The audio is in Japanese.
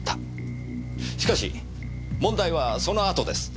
しかし問題はその後です。